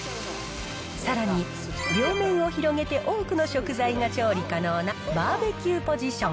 さらに、両面を広げて多くの食材が調理可能なバーベキューポジション。